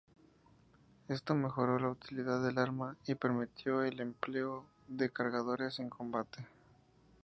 Esto mejoró la utilidad del arma y permitió el empleo de cargadores en combate.